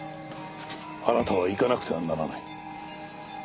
あなたは行かなくてはならない。